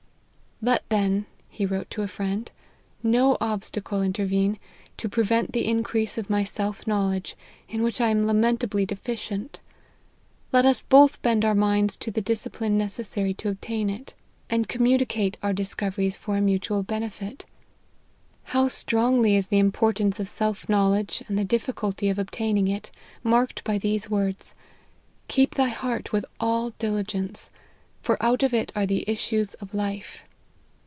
" Let then," he wrote to a friend, " no obstacle intervene, to prevent the increase of my self know ledge, in which I am lamentably deficient. Let us both bend our minds to the discipline necessary to obtain it, and communicate our discoveries for out LIFE OF HENRY MARTYN. 31 mutual benefit. How strongly is the importance of self knowledge, and the difficulty of obtaining it, marked by these words ;' Keep thy heart with all diligence, for out of it are the issues of life.'